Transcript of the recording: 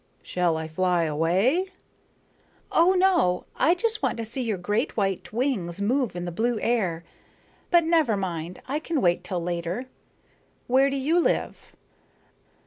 "Shall I fly away?" "Oh no. I just want to see your great white wings move in the blue air. But never mind. I can wait till later. Where do you live?"